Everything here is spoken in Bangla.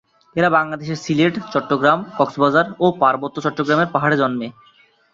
এরা বাংলাদেশের সিলেট, চট্টগ্রাম, কক্সবাজার ও পার্বত্য চট্টগ্রামের পাহাড়ে জন্মে।